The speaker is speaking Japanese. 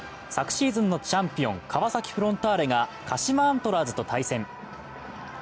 昨シーズンのチャンピオン、川崎フロンターレが鹿島アントラーズと対戦。